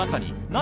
何？